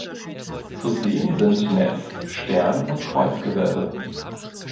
Zu sehen sind Netz-, Stern- und Kreuzgewölbe.